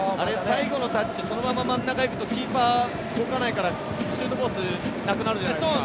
最後のタッチそのまま真ん中に行くと、キーパー、動かないからシュートコースなくなるじゃないですか。